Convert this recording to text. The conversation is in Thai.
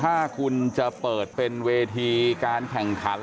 ถ้าคุณจะเปิดเป็นเวทีการแข่งขัน